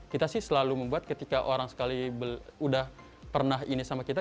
kita sih selalu membuat ketika orang sekali udah pernah ini sama kita